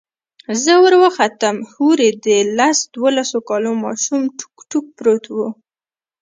زه وروختم هورې د لس دولسو كالو ماشوم ټوك ټوك پروت و.